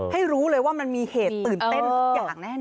ให้รู้เลยว่ามันมีเหตุตื่นเต้นสักอย่างแน่นอ